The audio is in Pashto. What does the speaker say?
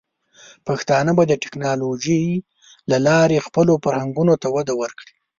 پښتانه به د ټیکنالوجۍ له لارې خپلو فرهنګونو ته وده ورکړي.